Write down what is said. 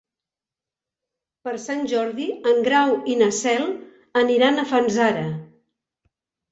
Per Sant Jordi en Grau i na Cel aniran a Fanzara.